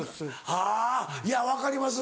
はぁいや分かります。